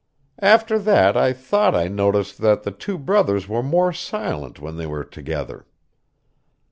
After that I thought I noticed that the two brothers were more silent when they were together.